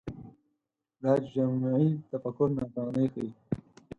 دا جمعي تفکر ناتواني ښيي